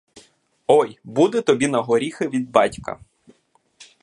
Ой буде тобі на горіхи від батька!